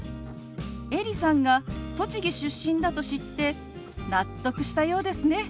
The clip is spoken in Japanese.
エリさんが栃木出身だと知って納得したようですね。